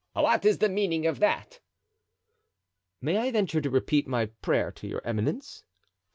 "What is the meaning of that?" "May I venture to repeat my prayer to your eminence?"